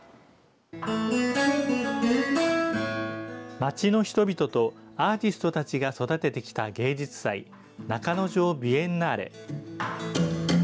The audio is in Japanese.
町の人々とアーティストたちが育ててきた芸術祭、中之条ビエンナーレ。